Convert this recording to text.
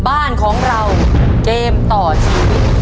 บ้านของเราเกมต่อชีวิต